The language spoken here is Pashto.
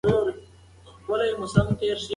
سپایان باید نظم وساتي.